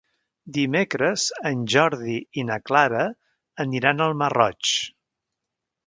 Dimecres en Jordi i na Clara aniran al Masroig.